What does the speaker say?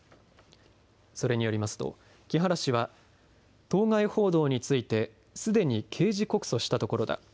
それによりますと木原氏は当該報道についてすでに刑事告訴したところだ。